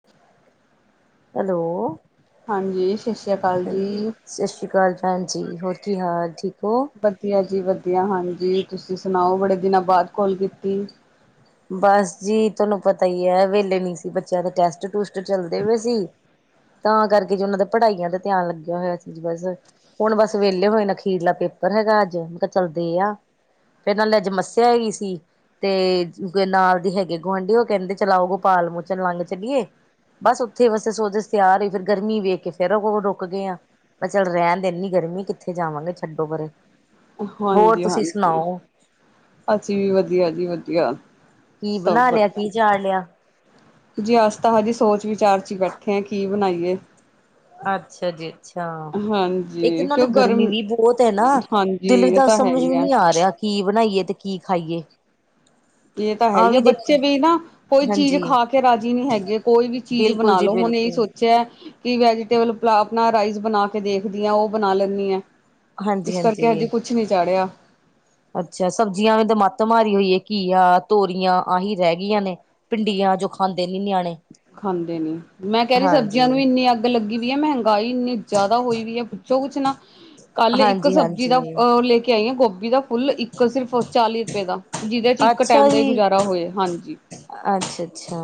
[inaudible] Hello ਹਾਂਜੀ, ਸ਼ਸ਼ੀ ਕਾਲ ਜੀ। ਸ਼ਸ਼ੀ ਕਾਲ ਭੈਣ ਜੀ, ਹੋਰ ਕੀ ਹਾਲ, ਠੀਕ ਓ? ਵਧੀਆ ਜੀ ਵਧੀਆ, ਹਾਂਜੀ ਤੁਸੀਂ ਸੁਣਾਓ? ਬੜੇ ਦਿਨਾਂ ਬਾਅਦ ਕੌਲ ਕੀਤੀ। ਬਸ ਜੀ, ਤੁਹਾਨੂੰ ਪਤਾ ਈ ਐ ਵਹਲੇ ਨਹੀਂ ਸੀ, ਬੱਚਿਆਂ ਦੇ ਟੈਸਟ-ਟੂਸਟ ਚੱਲਦੇ ਪਏ ਸੀ। ਤਾਂ ਕਰਕੇ ਜੀ ਉਹਨਾਂ ਦੇ ਪੜ੍ਹਾਈਆਂ ਦਾ ਧਿਆਨ ਲੱਗਿਆ ਹੋਇਆ ਸੀ ਜੀ, ਬਸ। ਹੁਣ ਬਸ ਵਿਹਲੇ ਹੋਏ ਨਾ ਅਖੀਰਲਾ ਪੇਪਰ ਹੈਗਾ ਅੱਜ, ਮੈਂ ਕਿਹਾ ਚੱਲ ਦੇ ਆ। ਫਿਰ ਨਾਲੇ ਅੱਜ ਮੱਸਿਆ ਹੈਗੀ ਸੀ, ਤੇ ਗੇ ਨਾਲ ਦੀ ਹੈਗੇ ਗੁਆਂਢੀ, ਉਹ ਕਹਿੰਦੇ ਚਲ ਆਓ ਗੋਪਾਲ ਮੋਚਨ ਲੰਘ ਚਲੀਏ? ਬਸ ਉੱਥੇ ਬਸੇ ਸੋਚ ਤਿਆਰ ਹੋਈ, ਫਿਰ ਗਰਮੀ ਵੇਖਕੇ ਫੇਰ ਉਹ ਰੁਕਗੇ ਆਂ। ਮੈਂ ਕਿਹਾ ਚੱਲ ਰਹਿਣ ਦੇ ਇੰਨੀ ਗਰਮੀ ਕਿੱਥੇ ਜਾਵਾਂਗੇ ਛੱਡੋ ਪਰੇ, ਹੋਰ ਹਾਂਜੀ ਤੁਸੀਂ ਹਾਂਜੀ ਸੁਣਾਓ? ਅਸੀਂ ਵੀ ਵਧੀਆ ਜੀ ਵਧੀਆ, ਕੀ ਸਭ ਬਣਾ ਲਿਆ ਵਧੀਆ। ਕੀ ਚਾੜ ਲਿਆ? ਜੀ ਅਸ ਤਾਂ ਹਜੇ ਸੋਚ ਵਿਚਾਰ 'ਚ' ਈ ਬੈਠੇ ਆਂ ਕੀ ਬਣਾਈਏ। ਅੱਛਾ ਜੀ। ਅੱਛਾ, ਇੱਕ ਹਾਂਜੀ ਨਾਲੇ ਕਿਉਂ ਗਰਮੀ ਗਰਮ ਵੀ ਬਹੁਤ ਐ ਨਾ, ਹਾਂਜੀ ਦਿਲ ਇਹ ਦਾ ਤਾਂ ਹੈ ਸਮਝ ਹੀ ਵੀ ਹੈ। ਨਹੀਂ ਆ ਰਿਹਾ। ਕੀ ਬਣਾਈਏ, ਤੇ ਕੀ ਖਾਈਏ। ਗੇ ਤਾਂ ਆਹ ਹੈਗੀ ਆ, ਵੀ ਦੇਖੋ ਬੱਚੇ ਵੀ ਨਾ ਕੋਈ ਚੀਜ਼ ਹਾਂਜੀ ਖਾਕੇ ਰਾਜ਼ੀ ਨਹੀਂ ਹੈਗੇ, ਕੋਈ ਵੀ ਚੀਜ਼ ਬਿਲਕੁਲ ਬਣਾ ਜੀ ਲਓ, ਹੁਣ ਇਹੀ ਬਿਲਕੁਲ ਸੋਚਿਆ। ਕੀ ਵੈਜੀਟੇਬਲ ਪਲਾ, ਆਪਣਾ ਰਾਈਸ ਬਣਾਕੇ ਦੇਖਦੀ ਹਾਂ, ਉਹ ਬਣਾ ਲੈਂਨੀ ਆਂ। ਹਾਂਜੀ ਇਸ ਕਰਕੇ ਹਾਂਜੀ। ਅਜੇ ਕੁਛ ਨਹੀਂ ਚਾੜਿਆ। ਅੱਛਾ, ਸਬਜ਼ੀਆਂ ਵੀ ਮੱਤ ਮਾਰੀ ਹੋਈਏ, ਘੀਆ, ਤੋਰੀਆਂ ਆਹੀ ਰਹਿ ਗੀਆਂ ਨੇ। ਭਿੰਡੀਆਂ, ਜੋ ਖਾਂਦੇ ਨੀ ਨਿਆਣੇ। ਖਾਂਦੇ ਨੀ, ਮੈਂ ਕਹਿ ਰਹੀ ਹਾਂਜੀ। ਸਬਜ਼ੀਆਂ ਨੂੰ ਇੰਨੀ ਅੱਗ ਲੱਗੀ ਪਈਆ, ਮਹਿੰਗਾਈ ਇੰਨੀ ਜ਼ਿਆਦਾ ਹੋਈ ਵੀ ਹੈ, ਪੁੱਛੋ ਕੁਛ ਨਾ, ਕੱਲ ਇੱਕ ਹਾਂਜੀ ਸਬਜ਼ੀ ਹਾਂਜੀ ਦਾ ਅਹ ਲੇਕੇ ਆਈ ਆਂ, ਗੋਭੀ ਦਾ ਫੁੱਲ ਇੱਕ ਸਿਰਫ ਚਾਲੀ ਰੁਪਏ ਦਾ ਜੇਦੇ ਚ ਇੱਕ ਟਾਈਮ ਦਾ ਈ ਗੁਜ਼ਾਰਾ ਹੋਏ, ਹਾਂਜੀ। ਅੱਛਾ-ਅੱਛਾ।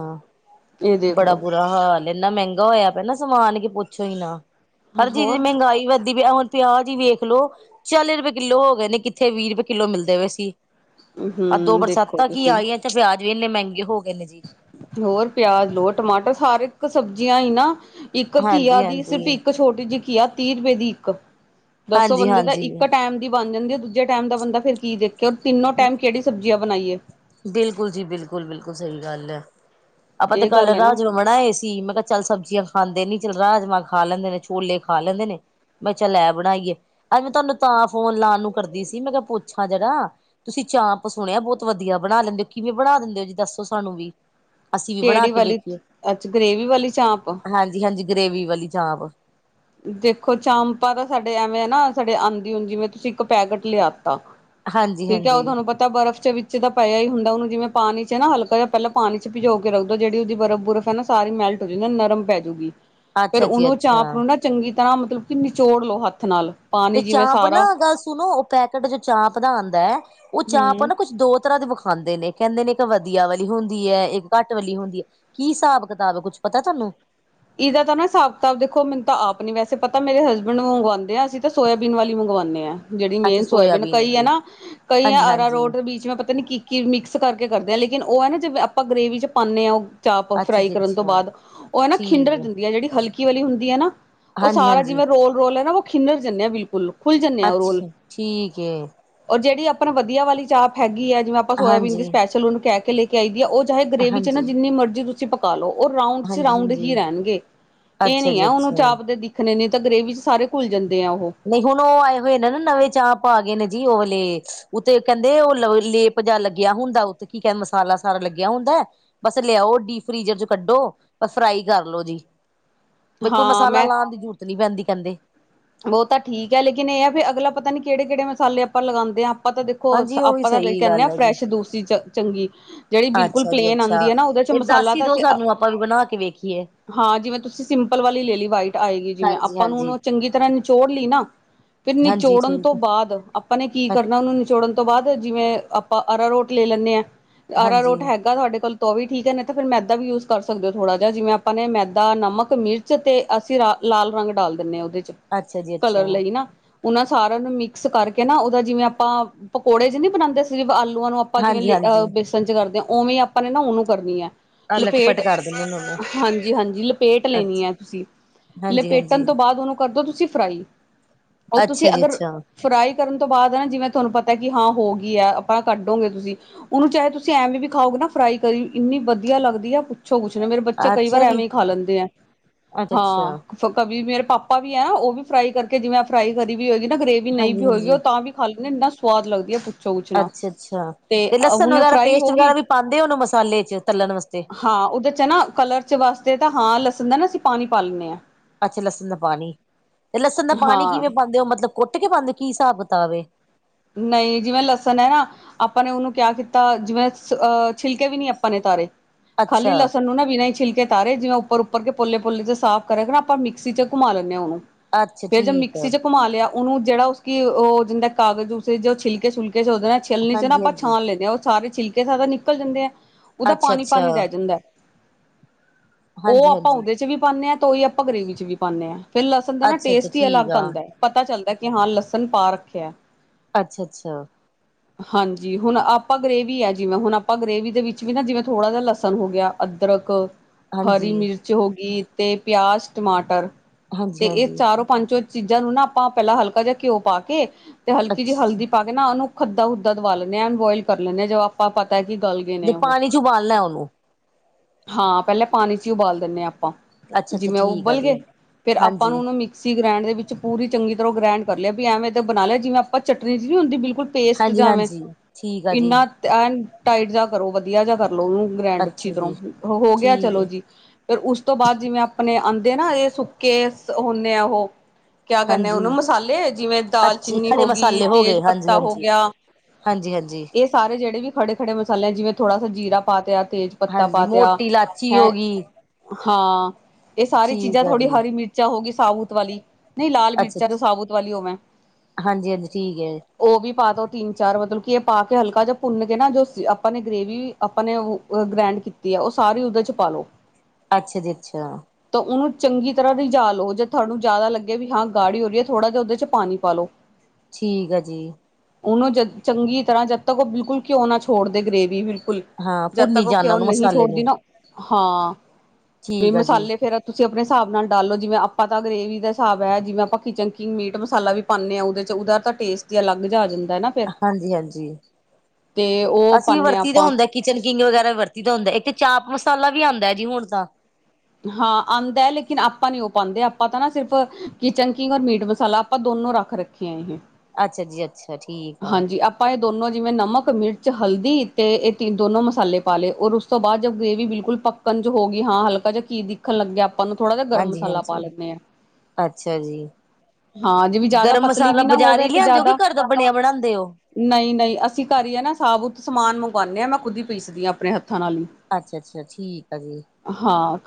ਇਹ ਦੇਖ ਬੜਾ ਲੋ ਬੁਰਾ ਹਾਲ ਏਨਾ ਮੈਂਗਾ ਹੋਯਾ ਪੇਆ ਨਾ ਸਮਾਨ ਕਿ ਪੁੱਛੋ ਈਨਾ। ਹਰ ਚੀਜ ਦੀ ਹੋਰ ਮੈਂਗਾਈ ਵੱਧੀ ਪਈਆ, ਹੁਣ ਪਿਆਜ ਈ ਵੇਖਲੋ, ਚਾਲੀ ਰਪੇ ਕਿੱਲੋ ਹੋ ਗਏ ਨੇ ਕਿੱਥੇ ਵੀਹ ਰੁਪਏ ਕਿੱਲੋ ਮਿਲਦੇ ਪਏ ਸੀ। ਆ ਦੋ ਹਮ ਦੇਖੋ ਬਰਸਾਤਾਂ ਕੀ ਤੁਸੀਂ ਆਈਆਂ 'ਚ' ਪਿਆਜ ਵੀ ਇੰਨੇ ਮਹਿੰਗੇ ਹੋ ਗਏ ਨੇ ਜੀ। ਹੋਰ ਪਿਆਜ ਲੋ, ਟਮਾਟਰ ਸਾਰ ਇੱਕ ਸਬਜ਼ੀਆਂ ਈਂ ਨਾ ਇੱਕ ਘੀਆ ਦੀ ਸਿਰਫ ਹਾਂਜੀ-ਹਾਂਜੀ। ਇੱਕ ਛੋਟੀ ਜੀ ਘੀਆ ਤੀਹ ਰੁਪਏ ਦੀ ਇੱਕ। ਦੱਸੋ ਬੰਦੇ ਦਾ ਹਾਂਜੀ-ਹਾਂਜੀ ਇੱਕ ਟਾਈਮ ਦੀ ਬਣ ਜਾਂਦੀਏ, ਦੂਜੇ ਟਾਈਮ ਦਾ ਬੰਦਾ ਫਿਰ ਕੀ ਦੇਖ ਕਿ ਓ ਤਿੰਨੋਂ ਟਾਈਮ ਕੇੜੀ ਸਬਜ਼ੀਆਂ ਬਣਾਈਏ? ਬਿਲਕੁਲ ਜੀ, ਬਿਲਕੁਲ-ਬਿਲਕੁਲ ਸਈ ਗੱਲ ਐ ਆਪਾਂ ਤੇ ਇਹ ਕੱਲ ਗੱਲ ਹੈ ਨਾ ਰਾਜ ਬਣਾਏ ਸੀ। ਮੈਂ ਕੇਆ ਚੱਲ ਸਬਜ਼ੀਆਂ ਖਾਂਦੇ ਨੀ ਚੱਲ ਰਾਜਮਾਂਹ ਖਾ ਲੈਂਦੇ ਨੇ, ਛੋਲੇ ਖਾ ਲੈਂਦੇ ਨੇ। ਮੈਂ ਚੱਲ ਐ ਬਣਾਈਏ, ਅੱਜ ਮੈਂ ਤੁਆਨੂੰ ਤਾਂ ਫੋਨ ਲਾਣ ਨੂੰ ਕਰਦੀ ਸੀ ਮੈਂ ਕੇਆ ਪੁੱਛਾਂ ਜਰਾ ਤੁਸੀਂ ਚਾਂਪ ਸੁਣਿਆ ਬੋਤ ਵਧੀਆ ਬਣਾ ਲੈਂਦੇ, ਕਿਵੇਂ ਬਣਾ ਦਿੰਦੇ ਓਜੀ ਦੱਸੋ ਸਾਨੂੰ ਵੀ। ਅਸੀਂ ਵੀ ਬਣਾ ਕਿਹੜੀ ਕੇ ਵਾਲੀ ਵੇਖੀਏ, ਅੱਛਾ ਗ੍ਰੇਵੀ ਵਾਲੀ ਚਾਂਪ ਹਾਂਜੀ-ਹਾਂਜੀ ਗਰੇਵੀ ਵਾਲੀ ਚਾਪ। ਦੇਖੋ ਚਾਮਪਾ ਤਾਂ ਸਾਡੇ ਐਵੇਂ ਨਾ ਸਾਡੇ ਆਂਦੀ ਜਿਵੇਂ ਤੁਸੀਂ ਇੱਕ ਪੈਕੇਟ ਲਿਆਤਾ। ਹਾਂਜੀ ਤੇ ਹਾਂਜੀ ਸਾਨੂੰ ਪਤਾ ਬਰਫ਼ ਚ ਵਿੱਚ ਤਾਂ ਪਿਆ ਹੀ ਹੁੰਦਾ, ਓਨੂੰ ਜਿਵੇਂ ਪਾਣੀ ਚ ਨਾ ਹਲਕਾ ਜਾਂ ਪੈਲਾਂ ਪਾਣੀ ਚ ਪੀਉ ਕੇ ਰੱਖ ਦਿਉਂ, ਜੇੜੀ ਓਦੀ ਬਰਫ-ਬੁਰਫ ਏ ਨਾ ਸਾਰੀ ਮੈਲਟ ਹੋਜੂ, ਨਾ ਨਰਮ ਪੈਜੂਗੀ। ਫੇਰ ਅੱਛਾ ਜੀ ਓਨੂੰ ਚਾਂਪ ਅੱਛਾ ਨੂੰ ਨਾ ਚੰਗੀ ਤਰ੍ਹਾਂ ਮਤਲਬ ਕਿ ਨਿਚੋੜ ਲਓ ਹੱਥ ਨਾਲ। ਤੇ ਪਾਣੀ ਜਿਵੇਂ ਚਾਂਪ ਨਾ ਸਾਰਾ ਗੱਲ ਸੁਣੋ, ਓ ਪੈਕੇਟ ਜੋ ਚਾਂਪ ਦਾ ਆਂਦਾ। ਓ ਚਾਪ ਆ ਹਮ ਨਾ ਕੁਝ ਦੋ ਤਰ੍ਹਾਂ ਦੇ ਵਖਾਂਦੇ ਨੇ। ਕੈਂਦੇ ਨੇ ਇੱਕ ਵਧੀਆ ਵਾਲੀ ਹੁੰਦੀਏ। ਇੱਕ ਘੱਟ ਵਾਲੀ ਹੁੰਦੀ ਐ ਕੀ ਹਸਾਬ-ਕਤਾਬ ਕੁੱਛ ਪਤਾ ਤੁਆਨੂੰ? ਇਹਦਾ ਤਾਂ ਨਾ ਹਸਾਬ-ਕਤਾਬ ਦੇਖੋ, ਮੈਨੂੰ ਤਾਂ ਆਪ ਨੀ ਵੈਸੇ ਪਤਾ ਮੇਰੇ ਹਸਬੈਂਡ ਨੂੰ ਮੰਗਵਾਂਦੇ ਆ, ਅਸੀਂ ਤਾਂ ਸੋਇਆਬੀਨ ਵਾਲੀ ਮੰਗਵਾਨੇ ਆ। ਜੇੜੀ ਅੱਛਾ ਮੇਨ ਸੋਇਬੀਨ ਸੋਇਆਬੀਨ ਕਈ ਦੀ ਏਨਾ, ਕਈ ਐ ਹਾਂਜੀ ਅਰਾ ਹਾਂਜੀ ਰੋਟ ਬੀਚ ਮੈਂ ਪਤਾ ਨੀ ਕੀ ਕਿ ਮਿਕਸ ਕਰਕੇ ਕਰਦੇ ਆ ਲੇਕਿਨ ਓ ਐ ਨਾ ਜਿਵੇਂ ਆਪਾਂ ਗਰੇੇਵੀ ਚ ਪਾਨੇ ਆ ਚਾਪ ਅੱਛਾ ਫਰਾਈ ਜੀ ਕਰਨ ਤੋਂ ਅੱਛਾ ਬਾਦ ਓ ਐਨਾ ਠੀਕ ਹੈ ਜੇੜੀ ਹਲਕੀ ਵਾਲੀ ਹੁੰਦੀ ਏਨਾ, ਓ ਹਾਂਜੀ ਸਾਰਾ ਹਾਂਜੀ ਜਿਵੇਂ ਰੋਲ-ਰੋਲ ਐਨਾ ਓ ਖਿਨੱਰ ਜਾਂਦੇ ਆ ਬਿਲਕੁਲ। ਖੁੱਲ ਜਾਂਨੇ ਆ ਓ ਰੋਲ ਅੱਛਾ ਠੀਕ ਹੈ ਔਰ ਜੇੜੀ ਆਪਾਂ ਵਧੀਆ ਵਾਲੀ ਚਾਪ ਹੈਗੀਏ ਜਿਵੇਂ ਅਪ ਆਪ ਸੋਇਆਬੀਨ ਦੀ ਹਾਂਜੀ ਸਪੈਸ਼ਲ ਓਨੂੰ ਕੈਕੇ ਲੈਕੇ ਆਈਦੀ ਆ। ਓ ਚਾਏ ਗਰੇੇਵੀ ਚ ਨਾ ਹਾਂਜੀ ਜਿੰਨੀ ਮਰਜ਼ੀ ਤੁਸ ਚਪਕਾ ਲੋ ਓ ਰੋਡ ਚ ਹਾਂਜੀ ਰੋਡ ਹੀ ਹਾਂਜੀ ਰਹਿਣਗੇ। ਏ ਅੱਛਾ ਨੀ ਐ ਜੀ ਓਨੂੰ ਅੱਛਾ ਚਾਪ ਦੀ ਖਨੇਨੀ ਤਾਂ ਗਰੇਵੀ 'ਚ' ਸਾਰੇ ਘੁੱਲ ਜਾਂਦੇ ਆ ਓਹੋ। ਨਈਂ ਹੁਣ, ਉਹ ਆਏ ਹੋਏ ਨੇ ਨਾ ਨਵੇਂ ਚਾਪ ਆ ਗਏ ਨੇ ਜੀ ਓ ਵਾਲੇ ਉਤੇ ਕੈਂਦੇ ਓ ਲ ਲੇਪ ਜਾ ਲੱਗਿਆ ਹੁੰਦਾ ਓਤੇ ਕੀ ਕੈਦੇ ਮਸਾਲਾ ਸਾਰਾ ਲੱਗੇਆ ਹੁੰਦਾ। ਬਸ ਲਿਆਓ ਡੀਪ ਫ੍ਰੀਜ਼ਰ ਚ ਕੱਢੋ ਪਰ ਫਰਾਈ ਕਰ ਲੋ ਜੀ। ਵੀ ਕੋਈ ਹਾਂ ਮਸਾਲਾ ਲਾਣ ਦੀ ਜਰੂਰਤ ਨੀਂ ਪੈਂਦੀ ਕੈਂਦੇ। ਓ ਤਾਂ ਠੀਕ ਐ ਲੇਕਿਨ ਏ ਐ ਵੀ ਅਗਲਾ ਪਤਾ ਨੀ ਕੇੜੇ-ਕੇੜੇ ਮਸਾਲੇ ਆਪਾਂ ਲਗਾਦੇ ਆਂ। ਆਪਾਂ ਤਾਂ ਦੇਖੋ ਹਾਂਜੀ ਉਹ ਵੀ ਆਪਾਂ ਤਾਂ ਲੈ ਸਹੀ ਕੇ ਆਨੇ ਆਂ ਗੱਲ ਹੈ ਜੀ ਫਰੈਸ਼, ਦੂਸੀ ਚ ਚੰਗੀ ਜੇੜੀ ਬਿਲਕੁਲ ਅੱਛਾ ਜੀ ਪਲੇਨ ਆਂਦੀ ਅੱਛਾ ਐ ਨਾ ਓਦੇ ਫਿਰ ਦਸ ਈ ਦੋ ਸਾਨੂੰ ਆਪਾਂ ਵੀ ਬਣਾ ਕੇ ਵੇਖੀਏ। ਹਾਂ ਜਿਵੇਂ ਤੁਸੀਂ ਸਿੰਪਲ ਵਾਲੀ ਲੇਲੀ ਵਾਈਟ ਆਏਗੀ, ਜਿਵੇਂ ਹਾਂਜੀ ਆਪਾਂ ਹਾਂਜੀ ਨੂੰ ਚੰਗੀ ਤਰ੍ਹਾਂ ਨਿਚੋੜ ਲਈ ਨਾ ਫੇਰ ਹਾਂਜੀ ਨਿਚੋੜਨ ਠੀਕ ਤੋਂ ਬਾਦ ਆਪ ਆਪਾਂ ਨੇ ਕੀ ਹੈ ਕਰਨਾ ਓਨੂੰ ਨਿਚੋੜਨ ਤੋਂ ਬਾਦ ਜਿਵੇਂ ਆਪਾਂ ਆਰਾਰੋਟ ਲੈ ਲੈਂਦੇਆਂ। ਹਾਂਜੀ ਆਰਾਰੋਟ ਹੈਗਾ ਤੁਆਡੇ ਕੋਲ ਤ ਓ ਵੀ ਠੀਕੈ ਤਾਂ ਫੇਰ ਮੈਦਾ ਵੀ ਯੂਜ਼ ਕਰ ਸਕਦੇਓ ਥੋੜ੍ਹਾ ਜੇਆ ਜਿਵੇਂ ਆਪਾਂ ਨੇ ਮੈਦਾ, ਨਮਕ, ਮਿਰਚ ਤੇ ਅਸੀਂ ਲਾਲ ਰੰਗ ਡਾਲ ਦਿੰਨੇ ਆਂ ਓਦੇ ਚ ਅੱਛਾ ਜੀ ਅੱਛਾ ਕਲਰ ਲਈ ਨਾ। ਓਨਾਂ ਸਾਰੇਆਂ ਨੂੰ ਮਿਕਸ ਕਰਕੇ ਨਾ ਓਦਾ ਜਿਵੇਂ ਆਪਾਂ ਪਕੌੜੇ ਜ ਨੀ ਬਣਾਦੇ ਸੀ, ਆਲੂਆਂ ਦਾ ਆਪਾਂ ਜਿਵੇਂ ਹਾਂਜੀ ਲਹ ਹਾਂਜੀ ਬੇਸਣ ਚ ਕਰਦੇ ਹਾਂ ਓਵੇਂ ਆਪਾਂ ਨੇ ਨਾ ਓਨੂੰ ਕਰਨੀ ਐ। ਆਹ ਲਟਪਟ ਲਪੇਟ, ਕਰ ਦਿੰਦੇ ਨੇ ਉਹਨੂੰ ਹਾਂਜੀ-ਹਾਂਜੀ ਲਪੇਟ ਲੈਨੀ ਅੱਛਾ ਆ ਤੁਸੀਂ ਹਾਂਜੀ ਲਪੇਟਨ ਹਾਂਜੀ ਤੋਂ ਬਾਦ ਕਰਦੋ ਤੁਸੀਂ ਫਰਾਈ ਓ ਤੁਸੀਂ ਅੱਛਾ ਜੀ ਅਗਰ ਅੱਛਾ ਫਰਾਈ ਕਰਨ ਤੋਂ ਬਾਦ ਨਾ ਜਿਵੇਂ ਤੁਆਨੂੰ ਪਤਾ ਕਿ ਹਾਂ ਗਈ ਐ ਹਾ, ਆਪਾਂ ਕੱਢੋਗੇ ਤੁਸੀਂ ਓਨੂੰ ਚਾਹੇ ਤੁਸੀਂ ਐਵੇਂ ਵੀ ਖਾਓਗੇ ਨਾ ਫਰਾਈ ਕਰੀ ਏਨੀ ਵਦੀਆ ਲੱਗਦੀ ਐ। ਪੁੱਛੋ ਕੁਛ ਨਾ ਮੇਰੇ ਬੱਚਾ ਕਈ ਵਾਰ ਅੱਛਾ ਜੀ, ਐਵੇਂ ਹੀ ਖਾ ਲੈਂਦੇ ਆ, ਅੱਛਾ-ਅੱਛਾ, ਹਾਂ। ਕਵੀ ਮੇਰੇ ਪਾਪਾ ਵੀ ਹੈ ਓਵੀ ਫਰਾਈ ਕਰਕੇ ਜਿਵੇਂ ਫਰਾਈ ਕਰੀ ਵੀ ਹੋਏਗੀ ਨਾ ਗਰੇਵੀ ਵੀ ਨਈ ਵੀ ਹਾਂਜੀ-ਹਾਂਜੀ, ਓ ਤਾਂ ਵੀ ਖਾ ਏਨਾ ਸਵਾਦ ਲੱਗਦੀ ਐ, ਪੁੱ ਅੱਛਾ-ਅੱਛਾ, ਤੇ ਲਸਣ ਵਗੈਰਾ ਫਰਾਈ ਪੇਸਟ ਹੋ ਗਈ ਵਗੈਰਾ ਵੀ ਪਾਦੇ ਓਨੂੰ ਮਸਾਲੇ ਚ ਤਲਣ ਵਾਸਤੇ। ਹਾਂ ਓਦੇ 'ਚ ਨਾ ਕਲਰ ਵਾਸਤੇ ਤਾਂ ਹਾਂ ਲਸਣ ਦਾ ਨਾ ਅਸੀਂ ਪਾਣੀ ਪਾ ਲੈਂਦੇ ਆ। ਅੱਛਾ ਲਸਨ ਦਾ ਪਾਨੀ, ਤੇ ਲਸਨ ਦਾ ਪਾਨੀ ਹਾਂ ਕਿਵੇਂ ਪਾਦੇ ਹੋ ਮਤਲਬ ਕੁੱਟ ਕੇ ਪਾਦੇ ਹੋ ਕੀ ਹਿਸਾਬ-ਕਿਤਾਬ ਐ। ਨਈ ਜਿਵੇਂ ਲਸਨ ਐ ਨਾ। ਆਪਾਂ ਨੇ ਓਨੂੰ ਕੈਅ ਕੀਤਾ ਜਿਵੇਂ ਅਹ ਛਿਲਕੇ ਵੀ ਨੀ ਆਪਾਂ ਨੇ ਓਤਾਰੇ ਖਾਲੀ ਅੱਛਾ, ਲਸਨ ਨੂੰ ਨਾ ਬਿਨਾ ਈ ਛਿਲਕੇ ਛਿਲਕੇ ਤਾਰੇ ਜਿਵੇਂ ਓਪਰ-ਓਪਰ ਕੇ ਪੋਲੇ-ਪੋਲੇ ਚ ਸਾਫ਼ ਕਰੇ ਕੇ ਨਾ ਆਪਾਂ ਮਿਕਸੀ ਚ ਘੁੰਮਾ ਲੈਂਨੇ ਆਂ, ਓਨੂੰ ਅੱਛਾ ਫੇਰ ਜਬ ਠੀਕ ਮਿਕਸੀ ਆ, ਚ ਘੁਮਾ ਲਿਆ ਓਨੂੰ ਜੇੜਾ ਓਸ ਕੀ ਓ ਜਿੰਦਾ ਕਾਗਜ਼ ਓਸੇ ਜੋ ਛਿਲਕੇ-ਛੁਲਕੇ ਸੋਚਦਾ ਨਾ। ਛਲਣੀ ਚ ਨਾ ਆਪਾਂ ਹਾਂਜੀ-ਹਾਂਜੀ, ਛਾਣ ਲੈਂਦੇ ਹਾਂ ਓ ਸਾਰੇ ਛਿਲਕੇ ਸਦਾ ਨਿਕਲ ਜਾਂਦੇ ਆ, ਓਦਾ ਅੱਛਾ-ਅੱਛਾ। ਪਾਣੀ-ਪਾਣੀ ਰੇਅ ਜਾਂਦਾ। ਓ ਆਪਾਂ ਹਾਂਜੀ-ਹਾਂਜੀ, ਓਦੇ ਚ ਵੀ ਪਾਣੇ ਆ ਤੇ ਓਹੀ ਆਪਾਂ ਗਰੀਵੀ ਚ ਵੀ ਪਾਨੇ ਆ। ਫੇਰ ਲਸਣ ਦਾ ਨਾ ਅੱਛਾ-ਅੱਛਾ ਟੇਸਟ ਹੀ ਠੀਕ ਅਲੱਗ ਆ, ਆਦਾ ਹੈ ਪਤਾ ਚੱਲਦਾ ਕਿ ਹਾਂ ਲਸਣ ਪਾ ਰੱਖਿਆ। ਅੱਛਾ-ਅੱਛਾ। ਹਾਂਜੀ ਹੁਣ ਆਪਾਂ ਗ੍ਰੇਵੀ ਆ ਜਿਵੇਂ ਹੁਣ ਆਪਾਂ ਗ੍ਰਰੇਵੀ ਦੇ ਵਿੱਚ ਵੀ ਨਾ ਜਿਵੇਂ ਥੋੜਾ ਜਿਹਾ ਲਸਣ ਹੋ ਗਿਆ। ਅਦਰਕ। ਹਰੀ ਹਾਂਜੀ। ਮਿਰਚ ਹੋ ਗਈ ਤੇ ਪਿਆਜ, ਟਮਾਟਰ ਤੇ ਏਹ ਹਾਂਜੀ-ਹਾਂਜੀ, ਚਾਰੋਂ ਪੰਜੋ ਚੀਜ਼ਾਂ ਨੂੰ ਨਾ ਆਪਾਂ ਪਹਿਲਾਂ ਹਲਕਾ ਜਿਹਾ ਘਿਓ ਪਾ ਕੇ ਤੇ ਹਲਕੀ ਜਿਹੀ ਅੱਛਾ ਹਲਦੀ ਪਾ ਕੇ ਫੇਰ ਓਨੂੰ ਖੱਦਾ-ਹੱਦਾ ਦਵਾ ਲੈਂਨੇ ਹਾਂ, ਅਨਬੋਇਲ ਕਰ ਲੈਂਦੇ ਹਾਂ ਜਦ ਆਪਾਂ ਪਤਾ ਕੀ ਗਲ ਗਏ ਜੇ ਨੇ ਓਹੋ ਪਾਣੀ ਚ ਉਬਾਲਣਾ ਉਹਨੂੰ, ਹਾਂ ਪੈਲੇ ਪਾਣੀ ਚ ਹੀ ਓਬਾਲ ਦਿੰਨੇ ਹਾਂ, ਆਪਾਂ ਅੱਛਾ-ਅੱਛਾ ਜਿਵੇਂ ਓ ਠੀਕ ਆ ਓਬਲ ਗਏ ਜੀ। ਫੇਰ ਆਪਾਂ ਨੂੰ ਹਾਂਜੀ, ਓਨੂੰ ਮੈਕਸੀ ਗ੍ਰੈਂਡ ਦੇ ਵਿੱਚ ਪੂਰੀ ਚੰਗੀ ਤਰਾਂ ਗਰੈਡ ਕਰ ਲਿਆ, ਵੀ ਐਵੇਂ ਤਾਂ ਬਣਾ ਲਿਆ ਜਿਵੇਂ ਆਪਾਂ ਚਟਨੀ ਜਹੀ ਨਈ ਹੁੰਦੀ, ਬਿਲਕੁਲ। ਪੇਸਟ ਜਾਵੇੈ, ਹਾਂਜੀ-ਹਾਂਜੀ, ਠੀਕ ਆ ਜੀ। ਏਨਾ। ਐਨ ਟਾਈਟ ਜਾ ਕਰੋ ਵਦੀਆ ਜਾ ਕਰ ਲੋ ਓਨੂੰ ਗਰੈਡ ਅੱਛੀ ਅੱਛਾ ਤਰਾਂ ਜੀ ਹੋ ਗਿਆ ਠੀਕ ਚਲੋ ਹੈ ਜੀ। ਫੇਰ ਓਸ ਤੋਂ ਬਾਦ ਜਿਵੇਂ ਆਪਣੇ ਆਦੇ ਆ ਨਾ ਇਹ ਸੁੱਕੇ ਹੁਨੇ ਆ ਓ ਕਿਆ ਕਹਿਣੇ ਹਾਂਜੀ ਓਨੂੰ ਮਸਾਲੇ ਜਿਵੇਂ ਅੱਛੇ ਦਾਲਚੀਨੀ ਖੜੇ ਹੋਗੀ। ਮਸਾਲੇ ਹੋ ਤੇਜ ਗਏ ਹਾਂਜੀ ਪੱਤਾ ਹੋ ਹਾਂਜੀ ਗਿਆ। ਹਾਂਜੀ ਹਾਂਜੀ ਇਹ ਸਾਰੇ ਜੇੜੇ ਵੀ ਖੜੇ-ਖੜੇ ਮਸਾਲਿਆਂ ਜਿਵੇ ਥੋੜਾ ਸਾ ਜ਼ੀਰਾ ਤਿਆ ਤੇਜ਼ ਪੱਤਾ ਪਾ ਹਾਂਜੀ ਤਿਆ, ਮੋਟੀ ਇਲਾਚੀ ਹੈਂ, ਹੋ ਗਈ ਹਾਂ ਏਹ ਸਾਰੀ ਚੀਜ਼ਾਂ ਠੀਕ ਆ ਥੋੜੀ ਜੀ ਹਰੀ ਮਿਰਚ ਚਾ ਹੋ ਗਈ ਸਾਬੂਤ ਵਾਲੀ, ਨਈ ਲਾਲ ਮਿਰਚਾਂ ਤਾਂ ਸਾਬੂਤ ਵਾਲੀ ਹੋਵੇ। ਹਾਂਜੀ-ਹਾਂਜੀ ਠੀਕ ਐ। ਓਵੀ ਪਾ ਦੋ, ਤੀਨ-ਚਾਰ ਮਤਲਬ ਕਿ ਇਹ ਪਾ ਕੇ ਹਲਕਾ ਜਿਹਾ ਭੁੰਨ ਕੇ ਨਾ ਜੋ ਆਪਾਂ ਨੇ ਗਰੇਵੀ ਆਪਾਂ ਨੇ ਓ ਗਰੈਡ ਕੀਤੀ ਐ ਓ ਸਾਰੀ ਓਦੇ ਚ ਪਾਦੋ ਅੱਛਾ ਜੀ ਅੱਛਾ। ਤਾਂ ਓਨੂੰ ਚੰਗੀ ਤਰਾਂ ਰਝਾ ਲੋ, ਜੇ ਤੁਆਨੂੰ ਜਾਦਾ ਲੱਗਿਆ ਵੀ ਹਾਂ ਗਾੜੀ ਹੋ ਰਹੀ ਐ ਥੋੜਾ ਜਿਹਾ ਓਦੇ ਚ ਪਾਣੀ ਪਾਲੋ। ਠੀਕ ਆ ਜੀ। ਓਨੂੰ ਜਦ ਚੰਗੀ ਤਰਾਂ ਜਦ ਤੱਕ ਓ ਬਿਲਕੁਲ ਘਿਓ ਨਾ ਛੋੜਦੇ ਗਰੇਵੀ ਬਿਲਕੁਲ ਹਾਂ ਜਦ ਤੱਕ ਭੁੰਨੀ ਉਹ ਜਾਣਾ ਘਓ ਉਹਨੂੰ ਨਹੀਂ ਮਸਾਲੇ ਛੋੜਦੀ ਨੂੰ ਨਾ ਹਾਂ ਵੀ ਠੀਕ ਆ ਜੀ ਮਸਾਲੇ ਫਿਰ ਤੁਸੀਂ ਆਪਣੇ ਹਿਸਾਬ ਨਾਲ ਡਾਲ ਲਓ ਜਿਵੇਂ ਆਪਾਂ ਤਾਂ ਗਰੇਵੀ ਦਾ ਹਿਸਾਬ ਐ ਜਿਵੇਂ ਆਪਾਂ ਕੀਚਨਕਿੰਗ ਮੀਟ ਮਸਾਲਾ ਵੀ ਪਾਉਂਨੇ ਆ ਉਹਦੇ ਚ ਉਹਦਾ ਤਾਂ ਟੇਸਟ ਹੀ ਅਲੱਗ ਜਿਆ ਆ ਜਾਂਦਾ ਐ ਨਾ ਤੇ ਹਾਂਜੀ ਹਾਂਜੀ ਤੇ ਉਹ ਅਸੀਂ ਵੀ ਪਾਨੇ ਆ ਵਰਤੀ ਦਾ ਆਪਾਂ ਹੁੰਦਾ ਕਿਚਨ ਕਿੰਗ ਵਗੈਰਾ ਵਰਤੀ ਦਾ ਹੁੰਦਾ ਇੱਕ ਤੇ ਚਾਂਪ ਮਸਾਲਾ ਵੀ ਆਉਂਦਾ ਐ ਜੀ ਹੁਣ ਤਾਂ ਹਾਂ ਆਉਂਦਾ ਐ ਲੇਕਿਨ ਆਪਾਂ ਨੀ ਉਹ ਪਾਉਂਦੇ ਆਪਾਂ ਤਾਂ ਨਾ ਸਿਰਫ ਕਿਚਨ ਕਿੰਗ ਔਰ ਮੀਟ ਮਸਾਲਾ ਆਪਾਂ ਦੋਨੋ ਰੱਖ ਰੱਖੇ ਖੇਂ ਇਹ ਅੱਛਾ ਜੀ ਅੱਛਾ ਠੀਕ ਆ ਹਾਂਜੀ ਆਪ ਆਪਾਂ ਇਹ ਦੋਨੋਂ ਜਿਵੇਂ ਨਮਕ ਮਿਰਚ ਹਲਦੀ ਤੇ ਇਹ ਤੀ ਦੋਨੋਂ ਮਸਾਲੇ ਪਾ ਲਏ ਔਰ ਉਸ ਤੋਂ ਬਾਅਦ [unintelligible] ਗਰੇੇਵੀ ਬਿਲਕੁਲ ਪੱਕ ਕੰਜ ਹੋ ਗਈ ਹਾਂ ਹਲਕਾ ਜਿਹਾ ਘੀ ਦਿਖਣ ਲੱਗਿਆ ਆਪਾਂ ਨੂੰ ਥੋੜ੍ਹਾ ਜਿਹਾ ਗਰਮ ਹਾਂਜੀ ਮਸਾਲਾ ਪਾ ਹਾਂਜੀ ਲੈਂਨੇ ਆ ਅੱਛਾ ਜੀ ਹਾਂ ਜਿਂਵੀ ਜ਼ਿਆਦਾ ਗਰਮ ਪਤਲੀ ਮਸਾਲਾ ਵੀ ਨਾ ਬਾਜ਼ਾਰੀ ਹੋਵੇ ਤੇ ਜ਼ਿਆਦਾ [unintelligible] ਬਣਾਉਂਦੇ ਓ ਨਹੀਂ ਨਹੀਂ ਅਸੀਂ ਘਰ ਹੀ ਆ ਨਾ ਸਾਬੁਤ ਸਮਾਨ ਮੰਗਵਾਉਂਨੇ ਆ ਮੈਂ ਖੁਦ ਹੀ ਪੀਸਦੀ ਆ ਆਪਣੇ ਹੱਥਾਂ ਨਾਲ ਈ ਅੱਛਾ ਅੱਛਾ ਠੀਕ ਹੈ ਜੀ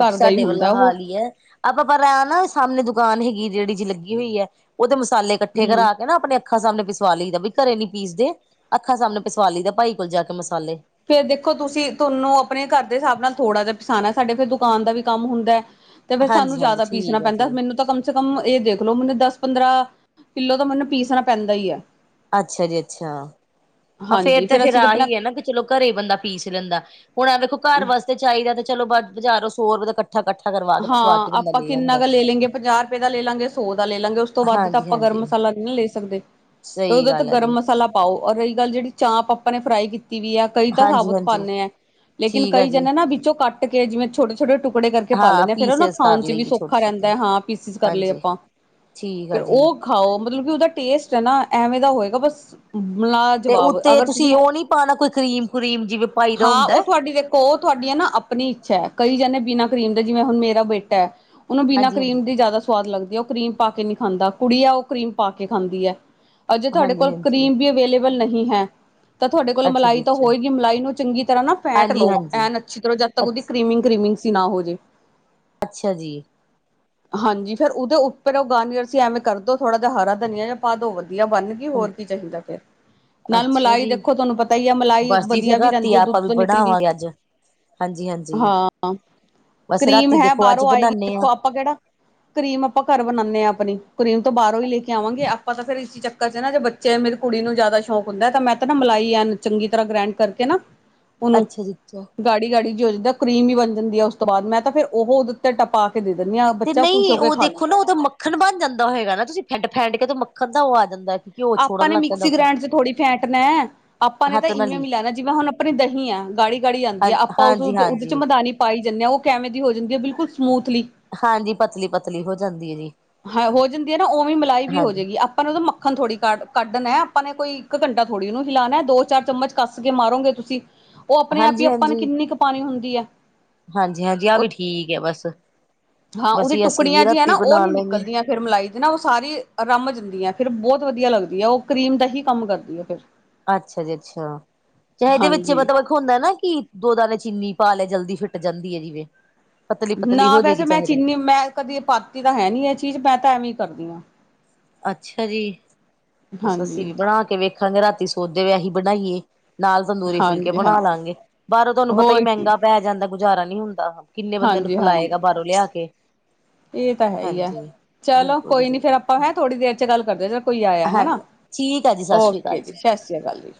ਘਰ ਦਾ ਹੀ ਸਾਡੇ ਵੱਲਾ ਹੁੰਦਾ ਉਹ ਹਾਲ ਹੀ ਐ ਆਪਾਂ ਪਰ ਆ ਨਾ ਸਾਹਮਣੇ ਦੁਕਾਨ ਹੈਗੀ ਜਿਹੜੀ ਜੀ ਲੱਗੀ ਹੋਈ ਐ ਉਹਦੇ ਮਸਾਲੇ ਇਕੱਠੇ ਹਮ ਕਰਾ ਕੇ ਨਾ ਆਪਣੇ ਅੱਖਾਂ ਸਾਹਮਣੇ ਪਿਸਵਾ ਲਈ ਦਾ ਵੀ ਘਰੇ ਨੀ ਪੀਸਦੇ ਅੱਖਾਂ ਸਾਹਮਣੇ ਪਿਸਵਾ ਲਈ ਦਾ ਭਾਈ ਕੋਲ ਜਾ ਕੇ ਮਸਾਲੇ ਫੇਰ ਦੇਖੋ ਤੁਸੀਂ ਤੁਹਾਨੂੰ ਆਪਣੇ ਘਰ ਦੇ ਹਿਸਾਬ ਨਾਲ ਥੋੜ੍ਹਾ ਜਿਹਾ ਪਿਸਾਨਾ ਐ ਸਾਡੇ ਫੇਰ ਦੁਕਾਨ ਦਾ ਵੀ ਕੰਮ ਹੁੰਦਾ ਤੇ ਫਿਰ ਸਾਨੂੰ ਹਾਂਜੀ-ਹਾਂਜੀ ਜਿਆਦਾ ਪੀਸਣਾ ਠੀਕ ਆ ਪੈਂਦਾ ਜੀ ਮੈਨੂੰ ਤਾਂ ਕਮ ਸ ਕਮ ਇਹ ਦੇਖ ਲੋ ਮੈਨੂੰ ਦਸ ਪੰਦਰਾਂ ਕਿੱਲੋ ਤਾਂ ਮੈਨੂੰ ਪੀਸਣਾ ਪੈਂਦਾ ਈ ਐ ਅੱਛਾ ਜੀ ਅੱਛਾ ਹਾਂ ਫੇਰ ਹਾਂਜੀ ਤੇ ਫੇਰ ਅਸੀਂ ਤਾਂ ਆਹੀ ਐ ਨਾ ਆਪਣਾ ਚਲੋ ਘਰੇ ਬੰਦਾ ਪੀਸ ਲੈਂਦਾ ਹੁਣ ਏ ਵੇਖੋ ਘਰ ਵਾਸਤੇ ਚਾਹੀਦਾ ਤੇ ਚਲੋ ਬ ਬਾਜ਼ਾਰੋਂ ਸੋ ਰੁਪਏ ਦਾ ਕੱ ਠਾ ਕੱਠਾ ਕਰਵਾ ਕੇ ਪਿਸਵਾ ਹਾਂ ਕੇ ਬੰਦਾ ਆਪਾਂ ਕਿੰਨਾ ਕ ਆਂਦਾ। ਲੈ ਲੈਂਗੇ ਪੰਜਾਹ ਰੁਪਏ ਦਾ ਲੈ ਲਾਂਗੇ ਸੌ ਦਾ ਲੈ ਲਾਂਗੇ ਉਸ ਤੋਂ ਵੱਧ ਤਾਂ ਆਪਾਂ ਗਰਮ ਹਾਂਜੀ-ਹਾਂਜੀ ਮਸਾਲਾ ਨੀ ਲੈ ਸਕਦੇ ਤੇ ਸਹੀ ਉਹਦੇ ਤੋਂ ਗੱਲ ਹੈ ਗਰਮ ਜੀ। ਮਸਾਲਾ ਪਾਓ ਔਰ ਰਹੀ ਗੱਲ ਜਿਹੜੀ ਚਾਪ ਆਪਾਂ ਨੇ ਫਰਾਈ ਕੀਤੀ ਵੀ ਐ ਕਈ ਤਾਂ ਹਾਂਜੀ ਸਾਬੁਤ ਹਾਂਜੀ ਪਾਉਂਣੇ ਐ ਲੇਕਿਨ ਠੀਕ ਆ ਕਈ ਜੀ ਜਣੇ ਨਾ ਵਿੱਚੋਂ ਕੱਟ ਕੇ ਜਿਵੇਂ ਛੋਟੇ ਛੋਟੇ ਟੁਕੜੇ ਕਰ ਕੇ ਪਾ ਲੈਂਣੇ ਹਾਂ ਫੇਰ ਉਹ ਨਾ ਪੀਸਿਸ ਖਾਣ ਕਰ ਚ ਵੀ ਲਈਏ ਛੋਟੇ ਸੌਖਾ ਛੋਟੇ ਰਹਿੰਦਾ ਹਾਂ ਪੀਸਿਸ ਕਰ ਲਏ ਹਾਂਜੀ ਆਪਾਂ ਠੀਕ ਆ ਫਿਰ ਜੀ ਉਹ ਖਾਓ ਮਤਲਬ ਕਿ ਉਹਦਾ ਟੇਸਟ ਐ ਨਾ ਐਵੇਂ ਦਾ ਹੋਏਗਾ ਬਸ ਲਾ ਤੇ ਜਵਾਬ ਉੱਤੇ ਅਗਰ ਤੁਸੀਂ ਉਹ ਨੀ ਪਾਉਣਾ ਕੋਈ ਕਰੀਮ ਕਰੂਮ ਜਿਵੇਂ ਪਾਈ ਦਾ ਹਾਂ ਹੁੰਦਾ ਉਹ ਤੁਹਾਡੀ ਦੇ ਉਹ ਤੁਹਾਡੀ ਹੈ ਨਾ ਆਪਣੀ ਇੱਛਾ ਹੈ ਕਈ ਜਾਣੇ ਬਿਨਾਂ ਕਰੀਮ ਦੇ ਜਿਵੇਂ ਹੁਣ ਮੇਰਾ ਬੇਟਾ ਐ ਉਹਨੂੰ ਬਿਨਾਂ ਹਾਂਜੀ ਕਰੀਮ ਹਾਂਜੀ ਦੀ ਜ਼ਿਆਦਾ ਸਵਾਦ ਲੱਗਦੀ ਐ ਉਹ ਕਰੀਮ ਪਾ ਕੇ ਨਹੀਂ ਖਾਂਦਾ ਕੁੜੀ ਆ ਉਹ ਕਰੀਮ ਪਾ ਕੇ ਖਾਂਦੀ ਐ ਅਜੇ ਤੁਹਾਡੇ ਹਾਂਜੀ ਕੋਲ ਹਾਂਜੀ ਕਰੀਮ ਵੀ ਅਵੇਲੇਬਲ ਨਹੀਂ ਹੈ ਤਾਂ ਤੁਹਾਡੇ ਕੋਲ ਅੱਛਾ ਮਲਾਈ ਜੀ ਤਾਂ ਅੱਛਾ ਹੋਏਗੀ ਮਲਾਈ ਨੂੰ ਚੰਗੀ ਤਰ੍ਹਾਂ ਨਾ ਫੈਂਟ ਹਾਂਜੀ ਲਓ ਹਾਂਜੀ ਐਨ ਅੱਛੀ ਤਰ੍ਹਾਂ ਜਦ ਤਕ ਉਹਦੀ ਅੱਛ ਕ੍ਰੀਮਿੰਗ ਕੀਮਿੰਗ ਸੀ ਨਾ ਹੋਜੇ ਅੱਛਾ ਜੀ ਹਾਂਜੀ ਫਿਰ ਉਹਦੋਂ ਉੱਪਰ ਉਹ ਗਾਨੀਅਰ ਸੀ ਐਵੇਂ ਕਰ ਦੋ ਥੋੜ੍ਹਾ ਜਿਹਾ ਹਰਾ ਧਨੀਆ ਜਾਂ ਪਾ ਦੋ ਵਧ ਧੀਆ ਬਣ ਗੀ ਹੋਰ ਕੀ ਚਾਹੀਦਾ ਫੇਰ ਨਾਲ ਅੱਛਾ ਮਲਾਈ ਜੀ ਦੇਖੋ ਤੁਹਾਨੂੰ ਪਤਾ ਹੀ ਹੈ ਮਲਾਈ ਬਸ ਜੀ ਵਧੀਆ ਫਿਰ ਵੀ ਰਾਤੀ ਰਹਿੰਦੀ ਐ ਦੁੱਧ ਆਪਾਂ ਤੋਂ ਨਿਕਲੀ ਵੀ ਬਣਾਵਾਂਗੇ ਅੱਜ ਹਾਂਜੀ ਹਾਂਜੀ ਹਾਂ ਬਸ ਕਰੀਮ ਰਾਤੀ ਹੈ ਦੇਖੋ ਅੱਜ ਬਾਹਰੋਂ ਆਏਗੀ ਬਣਾਉਦੇ ਹਾਂ ਦੇਖੋ ਆਪਾਂ ਕਿਹੜਾ ਕਰੀਮ ਆਪਾਂ ਘਰ ਬਣਾਨੇ ਹਾਂ ਆਪਣੀ ਕਰੀਮ ਤੋਂ ਬਾਹਰੋਂ ਹੀ ਲੇ ਕੇ ਆਵਾਂਗੇ ਆਪਾਂ ਤੇ ਫਿਰ ਇਸੀ ਚੱਕ ਕਰ ਚ ਨਾ ਜੇ ਬੱਚੇ ਮੇਰੀ ਕੁੜੀ ਨੂੰ ਜ਼ਿਆਦਾ ਸ਼ੌਕ ਹੁੰਦਾ ਹੈ ਤਾਂ ਮੈਂ ਤਾਂ ਨਾ ਮਲਾਈ ਐਨ ਚੰਗੀ ਤਰ੍ਹਾਂ ਗ੍ਰੈਂਡ ਕਰਕੇ ਨਾ ਉਹਨੂੰ ਅੱਛਾ ਜੀ ਅੱਛਾ ਗਾੜੀ ਗਾੜੀ ਜੀ ਹੋ ਜਾਂਦਾ ਉਹ ਕਰੀਮ ਵੀ ਬਣ ਜਾਂਦੀ ਹੈ ਉਸ ਤੋਂ ਬਾਅਦ ਮੈਂ ਤਾਂ ਫਿਰ ਉਹੋ ਉਹਦੇ ਉੱਤੇ ਟਪਾ ਕੇ ਦੇ ਦਿੰਦੀ ਹਾਂ, ਤੇ ਬੱਚਾ ਖੁਸ਼ ਹੋ ਨਹੀਂ ਕੇ ਉਹ ਖਾਂ ਦੇਖੋ ਲੈਂਦਾ। ਨਾ ਉਹਦਾ ਮੱਖਣ ਬਣ ਜਾਂਦਾ ਹੋਏਗਾ ਨਾ, ਤੁਸੀਂ ਫੈਡ ਫੈਂਡ ਕੇ ਤੋ ਮੱਖਣ ਦਾ ਉਹ ਆ ਜਾਂਦਾਂ ਐ। ਆਪਾਂ ਨੇ ਮਿਕਸੀ ਗ੍ਰਾਇੰਡ 'ਚ ਥੋੜ੍ਹੀ ਫੈਟਨਾ ਐ। ਆਪਾਂ ਨੇ ਤਾਂ ਹੱਥ ਨਾਲ ਈਵੇ ਹੀ ਇਵੇ ਲੈਣਾ, ਜਿਵੇਂ ਹੁਣ ਆਪਣੀ ਦਹੀਂ ਆ ਗਾੜੀ ਗਾੜੀ ਹਾਂ ਆਂਦੀ ਐ, ਆਪਾਂ ਉਸ ਹਾਂਜੀ ਉਹਦੇ 'ਚ ਹਾਂਜੀ ਮਧਾਨੀ ਪਾਈ ਜਾਂਨੇ ਆ, ਉਹ ਕਿਵੇਂ ਦੀ ਹੋ ਜਾਂਦੀ ਹੈ ਬਿਲਕੁਲ ਸਮੂਥਲੀ। ਹਾਂਜੀ, ਪਤਲੀ ਪਤਲੀ ਹੋ ਜਾਂਦੀ ਹੈ ਜੀ। ਹਾਂ ਹੋ ਜਾਂਦੀ ਹੈ ਨਾ ਉਵੇਂ ਮਲਾਈ ਵੀ ਹੋ ਹਾਂਜੀ ਜਾਏਗੀ। ਆਪ ਆਪਾਂ ਨੂੰ ਉਹਦਾ ਮੱਖਣ ਥੋੜੀ ਕਢ ਕੱਢਣਾ, ਆਪਾਂ ਨੇ ਕੋਈ ਇੱਕ ਘੰਟਾ ਥੋੜ੍ਹੀ ਉਹਨੂੰ ਹਿਲਾਣੈ, ਦੋ-ਚਾਰ ਚਮਚ ਕੱਸ ਕੇ ਮਾਰੋਗੇ ਤੁਸੀਂ ਜੀ ਉਹ ਆਪਣੇ ਆਪ ਹੀ ਹਾਂਜੀ ਆਪਾਂ ਨੇ ਹਾਂਜੀ ਕਿੰਨੀ ਕੁ ਪਾਣੀ ਹੁੰਦੀ ਹੈ। ਹਾਂਜੀ ਹਾਂਜੀ ਆਹ ਉਹ ਵੀ ਠੀਕ ਆ ਬਸ, ਹਾਂ ਉਹਦੀ ਬਸੀ ਅਸੀਂ ਵੀ ਟੁਕੜੀਆਂ ਜੀ ਹੈ ਰਾਤੀ ਨਾ ਉਹ ਬਣਾ ਨੀ ਲੈਂਗੇ। ਨਿਕਲਦੀਆਂ ਫਿਰ ਮਲਾਈ ਦੀ ਨਾ ਉਹ ਸਾਰੀ ਰੰਮ ਜਾਂਦੀ ਏ, ਫਿਰ ਬਹੁਤ ਵਧੀਆ ਲੱਗਦੀ ਐ, ਉਹ ਕਰੀਮ ਦਾ ਹੀ ਕੰਮ ਕਰਦੀ ਹੈ ਫਿਰ। ਅੱਛਾ ਜੀ ਅੱਛਾ, ਚਾਹੇ ਇਹਦੇ ਵਿੱਚ ਹਾਂਜੀ ਮਤਲਬ ਹੁੰਦਾ ਨਾ ਕਿ ਦੋ ਦਾਣੇ ਚੀਨੀ ਪਾ ਲੈ ਜਲਦੀ ਫਿੱਟ ਜਾਂਦੀ ਐ ਜਿਵੇਂ। ਪਤਲੀ ਨਾ ਪਤਲੀ ਹੋ ਜਾਏਗੀ ਵੈਸੇ ਮੈਂ ਚਾਹੇ ਤਾਂ ਚੀਨੀ ਮੈਂ ਕਦੀ ਪਾਂਤੀ ਤਾਂ ਹੈ ਨਹੀ ਇਹ ਚੀਜ਼, ਮੈਂ ਤਾਂ ਐਵੇਂ ਕਰਦੀ ਹਾਂ। ਅੱਛਾ ਜੀ, ਬਸ ਅਸੀ ਹਾਂਜੀ ਵੀ ਬਣਾ ਕੇ ਵੇਖਾਂਗੇ, ਰਾਤੀ ਸੋਚਦੇ ਪੇਏ ਅਸੀ ਬਣਾਈਏ। ਨਾਲ ਤੰਦੂਰੀ ਫੁਲਕੇ ਹਾਂਜੀ ਹਾਂਜੀ ਬਣਾਲਾਂਗੇ, ਬਾਹਰੋਂ ਤੁਹਾਨੂੰ ਪਤਾ ਹੀ ਹੋਰ ਕੀ ਮਹਿੰਗਾ ਜਾਂਦਾ ਗੁਜ਼ਾਰਾ ਹੁੰਦਾ ਗਾ। ਕਿੰਨੇ ਬੰਦਿਆ ਨੂੰ ਖਿਲਾਏਗਾ ਬਾਹਰੋਂ ਲਿਆ ਕੇ। ਏਹ ਤਾਂ ਹੈ ਹੀ ਆ ਹਾਂਜੀ ਚਲੋ ਬਿਲਕੁਲ ਜੀ ਕੋਈ ਨੀ ਫਿਰ ਆਪਾਂ ਬਿਲਕੁਲ ਹੈਂ ਥੋੜ੍ਹੀ ਦੇਰ 'ਚ ਗੱਲ ਕਰਦੇ। ਕੋਈ ਆਇਆ ਹਾਂਜੀ ਹੈਨਾ ਠੀਕ ਹੈ ਜੀ ਸਤਿ ਸ਼੍ਰੀ ਓਕੇ ਅਕਾਲ ਜੀ, ਸਤਿ ਸ੍ਰੀ ਅਕਾਲ ਜੀ।